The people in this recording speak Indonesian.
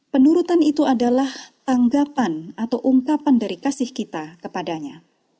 penurutan itu adalah tanggapan atau ungkapan dari kasih kita kepadanya